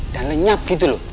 dan lenyap gitu loh